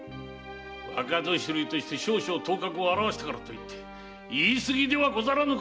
若年寄として少々頭角を現したからといって言い過ぎではござらぬか？